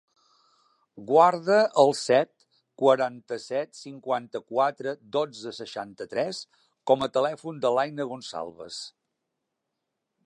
Guarda el set, quaranta-set, cinquanta-quatre, dotze, seixanta-tres com a telèfon de l'Aina Gonçalves.